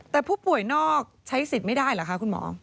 แต่ผู้ป่วยนอกใช้สิทธิ์ไม่ได้เหรอคะคุณหมอ